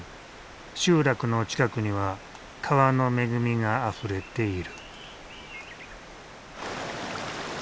集落の近くには川の恵みがあふれている。